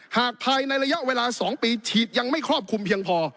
หากภายในระยะเวลา๒ปีฉีดยังไม่ครอบคลุมเพียงพอ